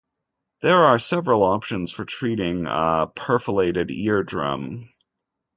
There are several options for treating a perforated eardrum.